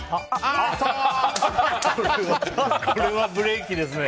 これはブレーキですね。